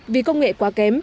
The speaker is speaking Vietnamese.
vì công nghệ quá kém